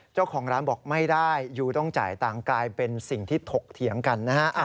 เจ้าของร้านบอกไม่ได้ยูต้องจ่ายตังค์กลายเป็นสิ่งที่ถกเถียงกันนะฮะ